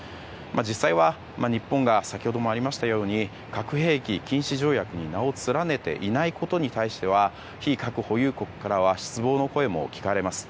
実際は、日本が先ほどもありましたように核兵器禁止条約に名を連ねていないことに対しては非核保有国からは失望の声も聞かれます。